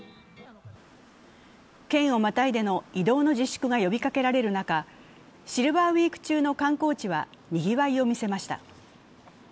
県をまたいでの移動の自粛が呼びかけられる中、シルバーウィーク中の観光地はにぎわいを見せました。